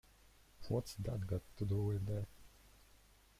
What's that got to do with the...?